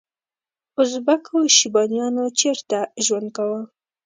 ازبکو شیبانیانو چیرته ژوند کاوه؟